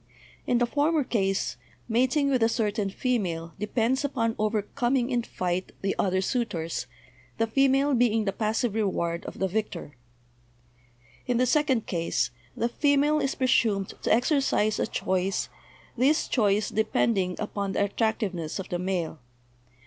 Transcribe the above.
In the former case, mating with a certain female depends upon overcoming in fight the other suitors, the female being the passive reward of the victor; in the second case the female is presumed to exercise a choice, this choice depending upon the attract iveness of the male.